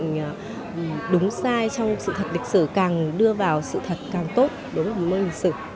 nhưng đúng sai trong sự thật lịch sử càng đưa vào sự thật càng tốt đối với môn lịch sử